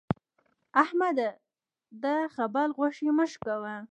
احمده! د خبل غوښې مه شکوه.